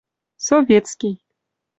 Советский